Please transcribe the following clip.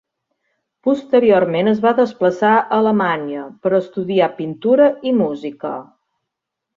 Posteriorment es va desplaçar a Alemanya per estudiar pintura i música.